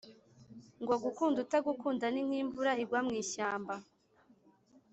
Ngo gukunda utagukunda n’imvura igwa mw’ishyamba